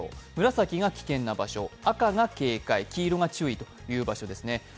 紫が危険な場所、赤が警戒黄色が注意という場所です。